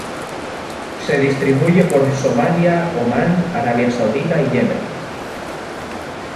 Se distribuye por Somalia, Omán, arabia Saudita y Yemen.